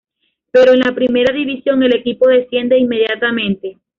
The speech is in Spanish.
Pero en la Primera División el equipo desciende inmediatamente.